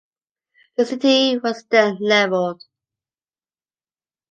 The city was then leveled.